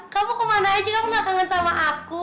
kamu kemana aja kamu gak kangen sama aku